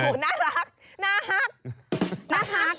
โอ้โหน่ารักน่ารัก